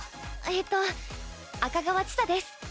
えっと赤川千紗です。